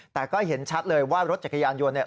ไม่เห็นชัดเลยว่ารถจักรยานยนต์